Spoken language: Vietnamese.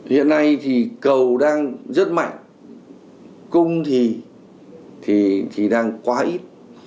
hiện nay thì cầu đang rất mạnh cung thì đang quá ít